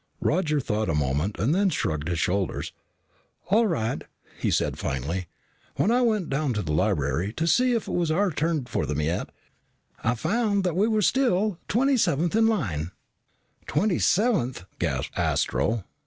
Roger thought a moment and then shrugged his shoulders. "All right," he said finally. "When I went down to the library to see if it was our turn for them yet, I found that we were still twenty seventh in line." "Twenty seventh?" gasped Astro.